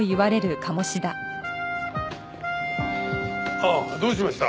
ああどうしました？